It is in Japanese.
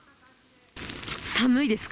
寒いですか。